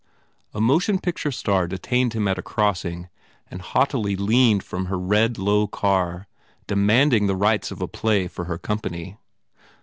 A motion picture star detained him at a crossing and haughtily leaned from her red, low car demanding the rights of a play for her com pany.